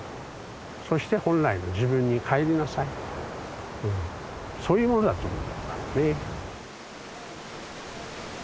そして本来の自分にかえりなさいそういうものだということだね。